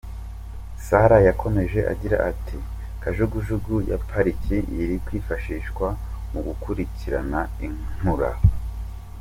Sarah yakomeje agira ati “Kajugujugu ya pariki iri kwifashishwa mu gukurikirana Inkura.